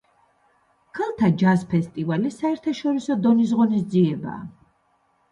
ქალთა ჯაზ ფესტივალი საერთაშორისო დონის ღონისძიებაა.